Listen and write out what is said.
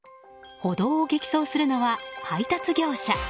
歩道を激走するのは配達業者。